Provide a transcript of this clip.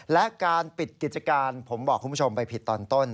และการปิดกิจการผมบอกคุณผู้ชมไปผิดตอนต้น